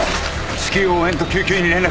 至急応援と救急に連絡。